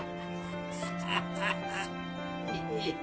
ハハハハ！